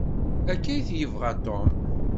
Akka i t-yebɣa Tom.